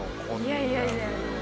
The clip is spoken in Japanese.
いやいやいや。